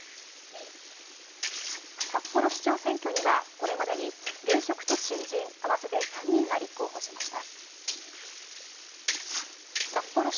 札幌市長選挙には、これまでに現職と新人合わせて３人が立候補しました。